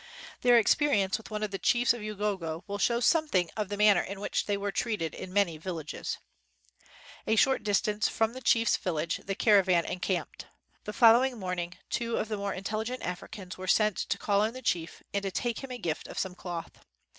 Their experience with one of the chiefs of Ugogo will show something of the man ner in which they were treated in many vil lages. A short distance from the chief's village, the caravan encamped. The follow ing morning two of the more intelligent Af ricans were sent to call on the chief, and to take him a gift of some cloth.